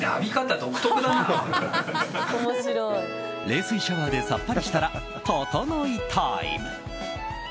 冷水シャワーでさっぱりしたらととのいタイム。